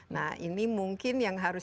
nah ini mungkin yang harus